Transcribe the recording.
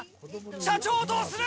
社長、どうする？